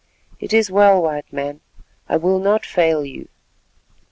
"It is well, White Man; I will not fail you."